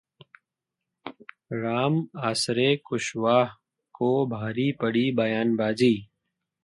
राम आसरे कुशवाहा को भारी पड़ी बयानबाजी